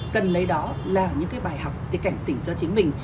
cần lấy đó là những cái bài học để cảnh tỉnh cho chính mình